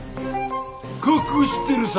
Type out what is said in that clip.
隠してるさ！